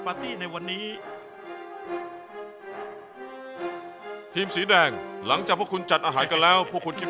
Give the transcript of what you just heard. ส่วนท่านที่ก็มอบาทิให้ผมกับเชฟไอบุ๋นนะครับ